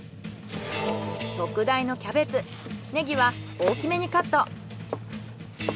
特大のキャベツネギは大きめにカット。